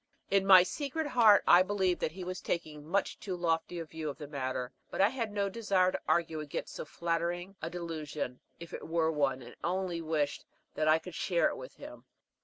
In my secret heart I believed that he was taking much too lofty a view of the matter; but I had no desire to argue against so flattering a delusion, if it were one, and only wished that I could share it with him.